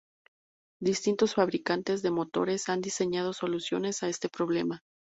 Distintos fabricantes de motores han diseñado soluciones a este problema.